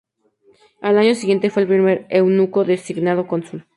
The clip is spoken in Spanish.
Al año siguiente fue el primer eunuco designado cónsul.